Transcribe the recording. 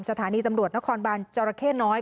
สถานีตำรวจนครบานจรเข้น้อย